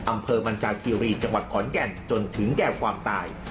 อำเภอมันจาคีรีจังหวัดขอนแก่นจนถึงแก่ความตาย